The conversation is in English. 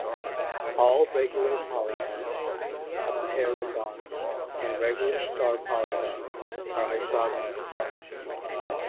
All regular polygons, apeirogons and regular star polygons are "isogonal".